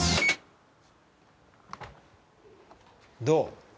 どう？